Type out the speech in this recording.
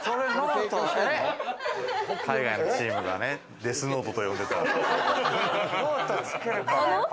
海外の選手がね、デスノートと呼んでた。